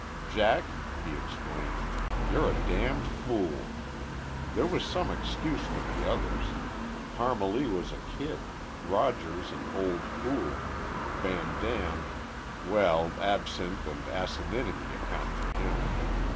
"Jack," he exclaimed, "you're a damned fool. There was some excuse for the others. Parmalee was a kid Rogers an old fool Van Dam well, absinthe and asininity account for him.